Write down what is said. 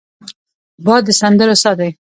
باد د سندرو سا دی